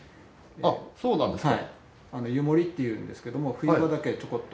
あっそうなんですか。